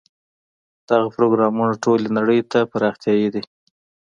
دغه پروګرامونه ټولې نړۍ ته پراختیايي دي.